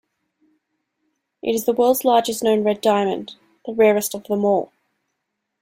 It is the world's largest known red diamond, the rarest of them all.